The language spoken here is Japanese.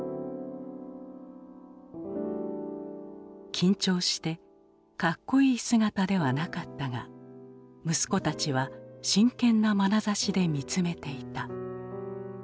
緊張して格好いい姿ではなかったが息子たちは真剣なまなざしで見つめていた。